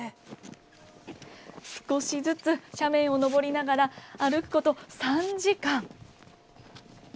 少しずつ斜面を登りながら歩くこと３時間。